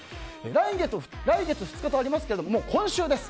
来月２日とありますが今週です。